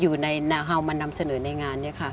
อยู่ในแนวเฮาวมานำเสนอในงานเนี่ยค่ะ